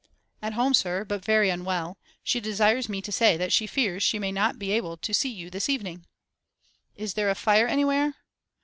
'At home, sir, but very unwell. She desires me to say that she fears she may not be able to see you this evening.' 'Is there a fire anywhere?